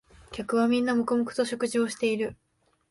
客はみんな黙々と食事をしている